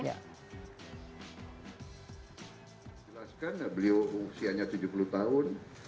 saya mengatakan beliau usianya tujuh puluh tahun